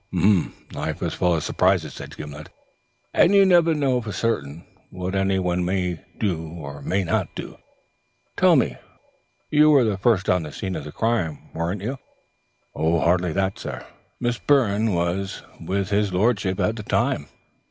"Life is full of surprises," said Gimblet, "and you never know for certain what anyone may not do; but, tell me, you were the first on the scene of the crime, weren't you?" "Hardly that, sir. Miss Byrne was with his lordship at the time."